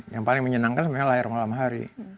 yang paling menyenangkan sebenarnya layar malam hari